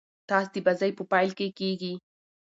ټاس د بازۍ په پیل کښي کیږي.